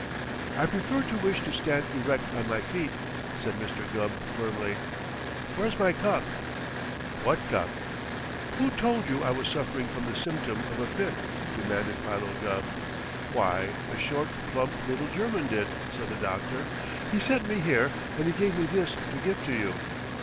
"I prefer to wish to stand erect on my feet," said Mr. Gubb firmly. "Where's my cup?" "What cup?" "Who told you I was suffering from the symptom of a fit?" demanded Philo Gubb. "Why, a short, plump little German did," said the doctor. "He sent me here. And he gave me this to give to you."